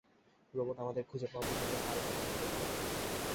Robot আমাদের খুঁজে পাওয়া পর্যন্ত ফাঁড়িতে অপেক্ষা করতে?